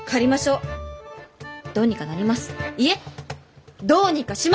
いえどうにかします！